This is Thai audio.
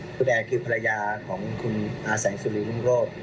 คุณแอร์คือภรรยาของคุณอาแสงสุรีรุ่งโรธ